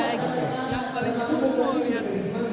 yang paling suka buat kalian